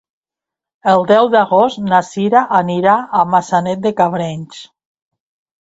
El deu d'agost na Cira anirà a Maçanet de Cabrenys.